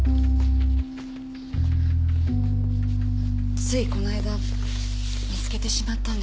ついこの間見つけてしまったんです。